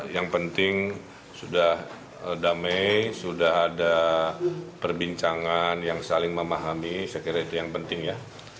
yang penting sudah damai sudah ada perbincangan yang saling memahami saya kira itu yang penting ya